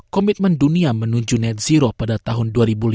komitmen dunia menuju net zero pada tahun dua ribu lima belas